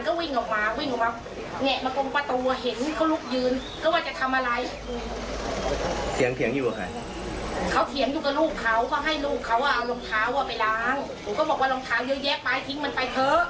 กูก็บอกว่าลองเท้าเยอะแยะไปทิ้งมันไปเถอะ